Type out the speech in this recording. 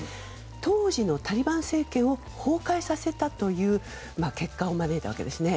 当時のタリバン政権を崩壊させたという結果を招いたわけですね。